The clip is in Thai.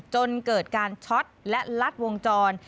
จนเกิดการช็อตและลัดวงจร